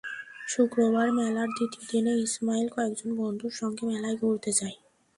শুক্রবার মেলার দ্বিতীয় দিনে ইসমাইল কয়েকজন বন্ধুর সঙ্গে মেলায় ঘুরতে যায়।